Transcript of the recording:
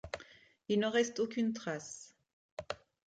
Il n’en reste aucune trace.